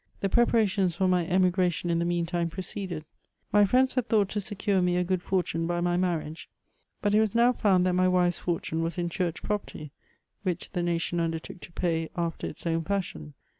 The prepara tiions for my emigration in the meantime proceeded ; mymendshad thought to secure me a good fortmie by my maniafipe ; but it was now found ^lat my infers fortune was in chnr^ property, which the nation ond^rtodk to pay after its own &duon.